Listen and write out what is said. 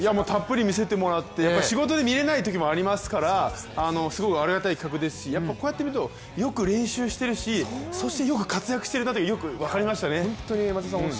たっぷり見せてもらって仕事で見られないときもありますからすごくありがたい企画ですしこうやって見ると、よく練習しているし、そしてよく活躍しているなっていうのがよく分かりましたね。